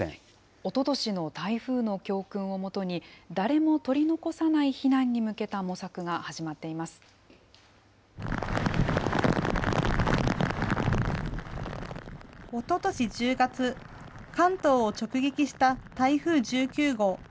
おととしの台風の教訓をもとに、誰も取り残さない避難に向けおととし１０月、関東を直撃した台風１９号。